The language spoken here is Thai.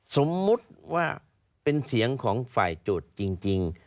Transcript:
สมมุติว่าเป็นเสียงของฝ่ายโจทย์จริง